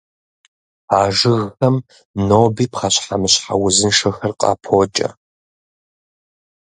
А жыгхэм ноби пхъэщхьэмыщхьэ узыншэхэр къапокӀэ.